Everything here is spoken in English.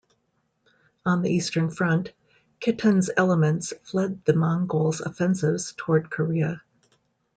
On the Eastern front, Khitans elements fled the Mongols offensives toward Korea.